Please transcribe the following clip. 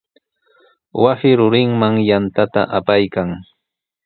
Wasi rurinman yantata apaykan.